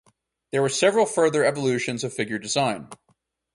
There were several further evolutions of figure design.